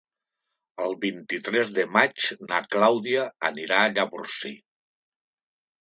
El vint-i-tres de maig na Clàudia anirà a Llavorsí.